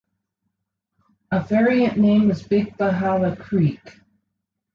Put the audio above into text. A variant name is "Big Bahala Creek".